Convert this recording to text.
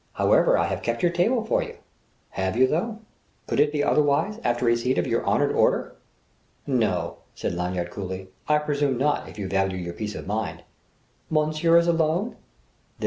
However, I have kept your table for you." "Have you, though?" "Could it be otherwise, after receipt of your honoured order?" "No," said Lanyard coolly, "I presume not, if you value your peace of mind." "Monsieur is alone?"